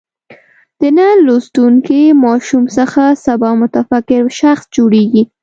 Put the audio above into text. د نن لوستونکی ماشوم څخه سبا متفکر شخص جوړېږي.